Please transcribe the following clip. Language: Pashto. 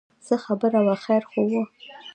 څه خبره وه خیر خو و.